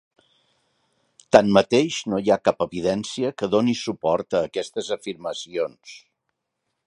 Tanmateix, no hi ha cap evidència que doni suport a aquestes afirmacions.